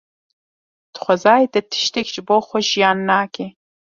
Di xwezayê de tiştek ji bo xwe jiyan nake.